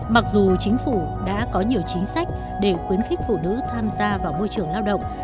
mặc dù chính phủ đã có nhiều chính sách để khuyến khích phụ nữ tham gia vào môi trường lao động